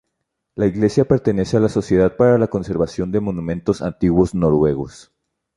La iglesia pertenece a la Sociedad para la Conservación de Monumentos Antiguos Noruegos.